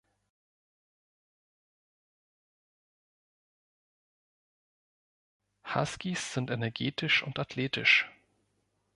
Huskies sind energetisch und athletisch.